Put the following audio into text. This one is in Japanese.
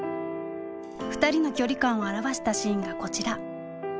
２人の距離感を表したシーンがこちら。